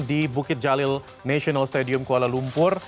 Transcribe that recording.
di bukit jalil national stadium kuala lumpur